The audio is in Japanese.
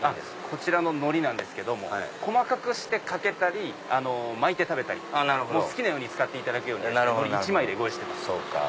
こちらの海苔なんですけども細かくしてかけたり巻いて食べたりお好きに使っていただくように海苔１枚でご用意してます。